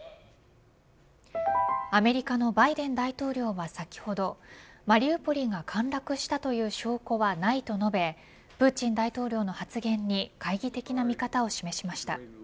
アメリカのバイデン大統領は先ほどマリウポリが陥落したという証拠はないと述べプーチン大統領の発言に懐疑的な見方を示しました。